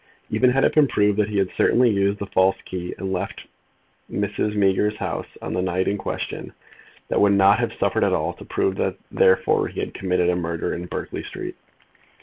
Even had it been proved that he had certainly used the false key and left Mrs. Meager's house on the night in question, that would not have sufficed at all to prove that therefore he had committed a murder in Berkeley Street.